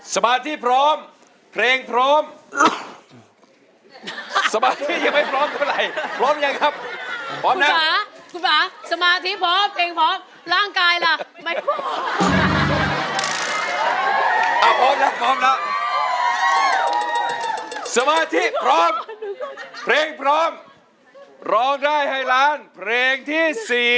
สมาธิพร้อมเพลงพร้อมสมาธิพร้อมเพลงพร้อมร้องได้ให้ร้านเพลงที่๔